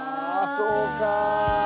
そうか。